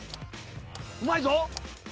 うまいぞ！